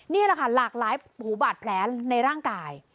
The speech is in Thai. นี่แหละค่ะหลากหลายหูบาดแผลในร่างกาย